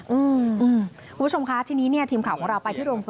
คุณผู้ชมค่ะทีนี้ทีมข่าวของเรา